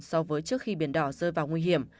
so với trước khi biển đỏ rơi vào nguy hiểm